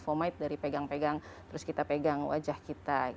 phomite dari pegang pegang terus kita pegang wajah kita